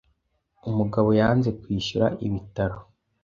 Umugabo yanze kwishyura ibitaro